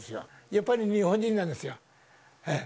やっぱり日本人なんですよ。